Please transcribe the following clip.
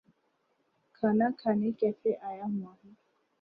کھانا کھانے کیفے آیا ہوا ہوں۔